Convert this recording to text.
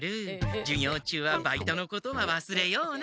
授業中はバイトのことはわすれような！